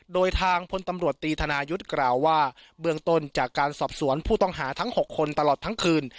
โดยทางพลตำรวจตีธนายุทธ์กล่าวว่าเบื้องต้นจากการสอบสวนผู้ต้องหาทั้ง๖คนตลอดทั้งคืน